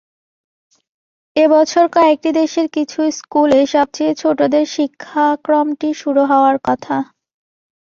এ বছর কয়েকটি দেশের কিছু স্কুলে সবচেয়ে ছোটদের শিক্ষাক্রমটি শুরু হওয়ার কথা।